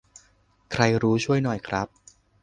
ใครรู้ช่วยหน่อยครับ